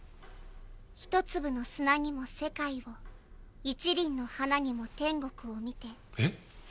「一粒の砂にも世界を一輪の花にも天国を見て」えっ！？